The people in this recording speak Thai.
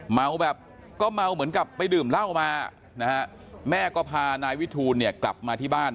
เมาแบบก็เมาเหมือนกับไปดื่มเหล้ามานะฮะแม่ก็พานายวิทูลเนี่ยกลับมาที่บ้าน